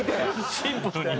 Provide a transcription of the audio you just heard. シンプルに。